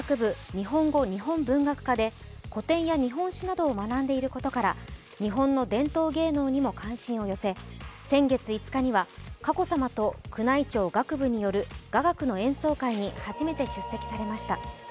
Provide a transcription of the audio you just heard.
日本語日本文学科で古典や日本史などを学んでいることから日本の伝統芸能にも関心を寄せ、先月５日には佳子さまと宮内庁・楽部による雅楽の演奏会に初めて出席されました。